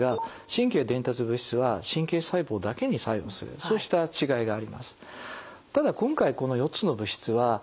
そうした違いがあります。